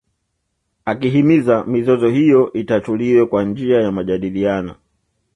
Akihimiza mizozo hiyo itatuliwe kwa njia ya majadiliano